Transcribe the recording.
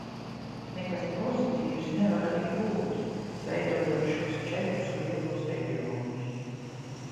Nekas pozitīvs nevar arī būt, veidojot šos četrus lielos reģionus.